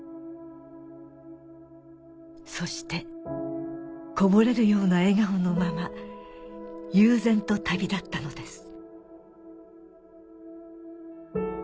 「そしてこぼれるような笑顔のまま悠然と旅立ったのです」